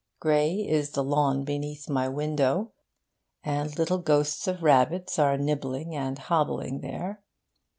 Grey is the lawn beneath my window, and little ghosts of rabbits are nibbling and hobbling there.